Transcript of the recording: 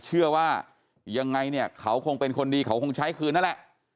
เชื่อว่ายังไงเนี่ยเขาคงเป็นคนดีเขาคงใช้คืนนั่นแหละ